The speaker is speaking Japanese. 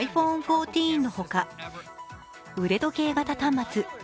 １４のほか腕時計型端末